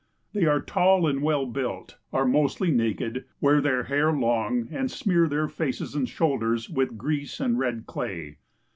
They are tall and well built, are mostly naked, wear their hair long, and smear their faces and shoulders with grease and red clay.